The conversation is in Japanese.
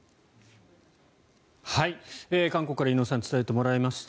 韓国から井上さんに伝えてもらいました。